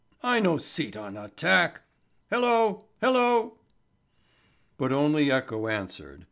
—I no seet on a tack—hello—hello." But only echo answered.